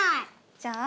じゃあ。